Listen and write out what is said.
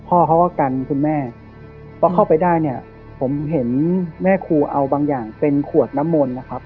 พ่อเขาก็กันคุณแม่พอเข้าไปได้เนี่ยผมเห็นแม่ครูเอาบางอย่างเป็นขวดน้ำมนต์นะครับ